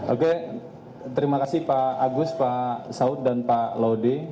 oke terima kasih pak agus pak saud dan pak laude